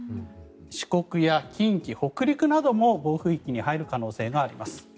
四国や近畿、北陸なども暴風域に入る可能性があります。